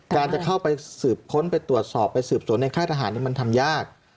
จะเข้าไปสืบค้นไปตรวจสอบไปสืบสวนในค่ายทหารมันทำยาก